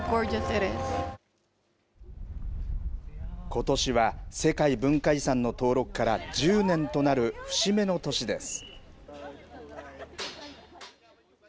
ことしは、世界文化遺産の登録から１０年となる節目の年です。